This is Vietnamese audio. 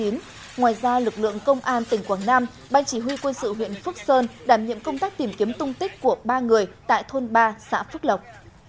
ngoài ra lực lượng công an tỉnh quảng nam ban chỉ huy quân sự huyện phước sơn đảm nhiệm công tác tìm kiếm tung tích của ba người tại thôn ba xã phước lộc